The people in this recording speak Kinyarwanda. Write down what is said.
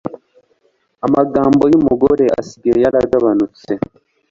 amagambo yumugore asigaye yaragabanutse